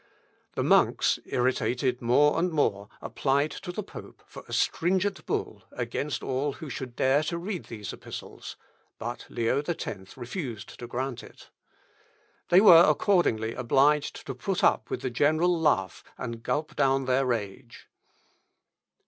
The monks, irritated more and more, applied to the pope for a stringent bull against all who should dare to read these epistles, but Leo X refused to grant it. They were accordingly obliged to put up with the general laugh, and gulp down their rage.